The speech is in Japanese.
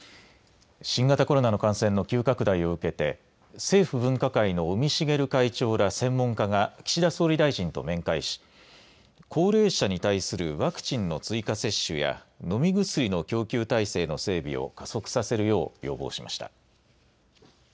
新型コロナの感染の急拡大を受けて政府分科会の尾身茂会長ら専門家が岸田総理大臣と面会し高齢者に対するワクチンの追加接種や飲み薬の供給体制の整備を加速させるよう要望しました。